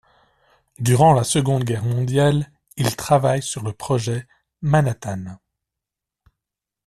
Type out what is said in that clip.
Durant la Seconde Guerre mondiale il travaille sur le projet Manhattan.